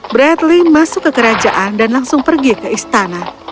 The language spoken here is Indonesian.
bradley masuk ke kerajaan dan langsung pergi ke istana